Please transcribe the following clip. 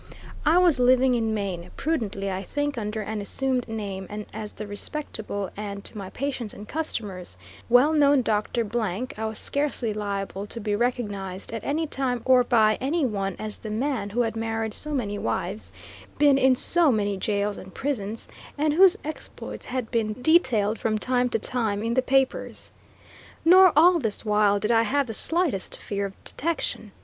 I was living in Maine, prudently I think under an assumed name, and as the respectable, and, to my patients and customers, well known Doctor Blank, I was scarcely liable to be recognized at any time or by any one as the man who had married so many wives, been in so many jails and prisons, and whose exploits had been detailed from time to time in the papers. Nor, all this while, did I have the slightest fear of detection.